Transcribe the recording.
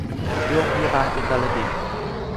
โรงพยาบาลอุตรดิตถ์